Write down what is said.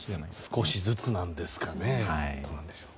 少しずつなんですかね。